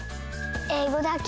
えいごだけ？